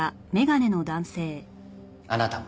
あなたも。